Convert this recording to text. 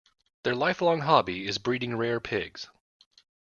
Their lifelong hobby is breeding rare pigs.